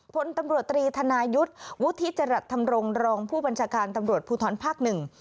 พลตำรวจตรีธนายุทธ์วุฒิจรัสธรรมรงค์รองผู้บัญชาการตำรวจภูทรภาคหนึ่ง